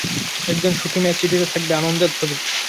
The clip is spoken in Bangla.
একজন সুখী মেয়ের চিঠিতে থাকবে আনন্দের ছবি।